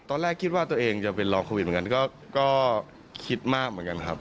ตอนแรกคิดว่าตัวเองจะเป็นรองโควิดเหมือนกันก็คิดมากเหมือนกันครับ